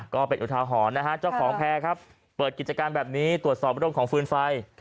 ก็เอาเป็นอยู่ท้าหอนนะฮะเจ้าของแพร่ครับเปิดกิจการแบบนี้ตรวจสอบร่วมของฟื้นไฟ